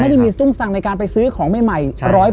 ไม่ได้มีสตุ้งสั่งในการไปซื้อของใหม่๑๐๐